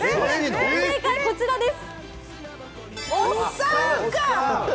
正解こちらです。